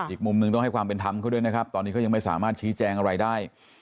อีกมุมหนึ่งต้องให้ความเป็นธรรมเขาด้วยนะครับตอนนี้เขายังไม่สามารถชี้แจงอะไรได้